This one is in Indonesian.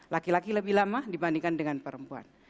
laki laki lebih lama dibandingkan dengan perempuan